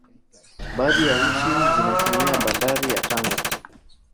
baadhi ya nchi zinatumia bandari ya tanga